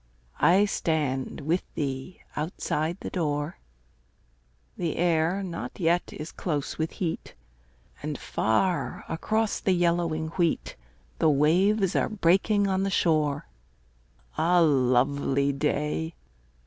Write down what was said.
I stand with thee outside the door, The air not yet is close with heat, And far across the yellowing wheat The waves are breaking on the shore. A lovely day!